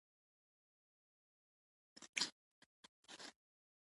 هغه مو حلال کړ، اوس یې خپل ملګری هېر نه دی.